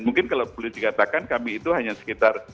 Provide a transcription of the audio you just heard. mungkin kalau boleh dikatakan kami itu hanya sekitar